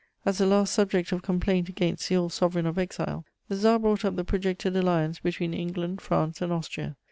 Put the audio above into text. As a last subject of complaint against the old sovereign of exile, the Tsar brought up the projected alliance between England, France and Austria.